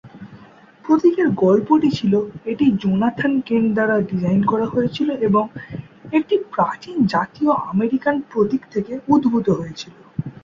প্রতীকের গল্পটি ছিল এটি জোনাথন কেন্ট দ্বারা ডিজাইন করা হয়েছিল এবং একটি প্রাচীন জাতীয় আমেরিকান প্রতীক থেকে উদ্ভূত হয়েছিল।